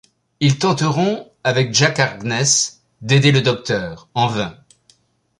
Ils tenteront avec Jack Harkness d'aider le Docteur en vain.